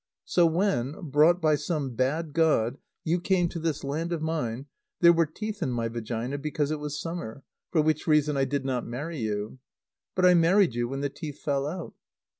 So when, brought by some bad god, you came to this land of mine, there were teeth in my vagina because it was summer, for which reason I did not marry you. But I married you when the teeth fell out.